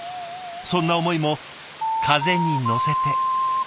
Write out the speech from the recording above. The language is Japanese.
そんな思いも風に乗せて。